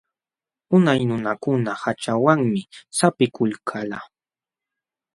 Unay nunakuna haćhawanmi sampikulkalqa.